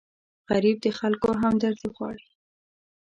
غریب د خلکو همدردي غواړي